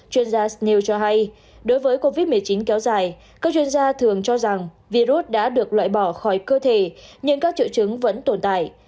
chuyên gia snew cho hay đối với covid một mươi chín kéo dài các chuyên gia thường cho rằng virus đã được loại bỏ khỏi cơ thể nhưng các triệu chứng vẫn tồn tại